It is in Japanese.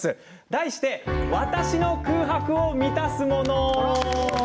題して私の空白を満たすもの。